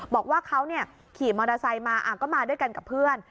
บอกว่าเขาขี่มอเตอร์ไซค์มาก็มาด้วยกันกับเพื่อน